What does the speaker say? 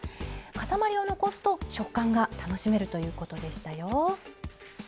塊を残すと食感が楽しめるということでしたよ。